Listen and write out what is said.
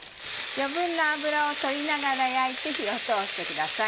余分な油を取りながら焼いて火を通してください。